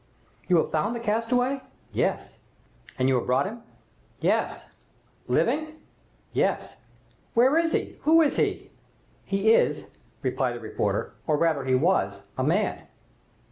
"You have found the castaway?" "Yes." "And you have brought him?" "Yes." "Living?" "Yes." "Where is he? Who is he?" "He is," replied the reporter, "or rather he was a man!